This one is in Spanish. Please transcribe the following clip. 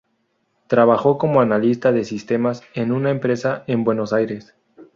Trabajó como analista de sistemas en una empresa en Buenos Aires.